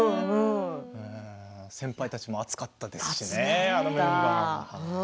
先輩たちも熱かったですしねあのメンバー。